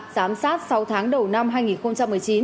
giám sát sáu tháng đầu năm hai nghìn một mươi chín